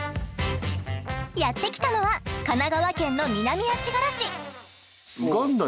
やって来たのは神奈川県の南足柄市。